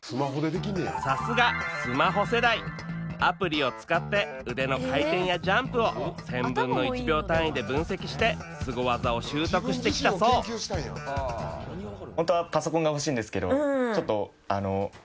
さすがスマホ世代アプリを使って腕の回転やジャンプを１，０００分の１秒単位で分析してスゴ技を習得してきたそう全然買うたるけどな。